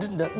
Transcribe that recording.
ada di dalam